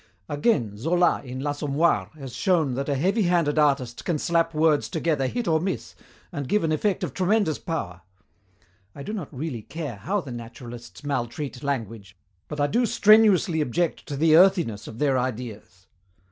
Again, Zola, in L'Assommoir, has shown that a heavy handed artist can slap words together hit or miss and give an effect of tremendous power. I do not really care how the naturalists maltreat language, but I do strenuously object to the earthiness of their ideas.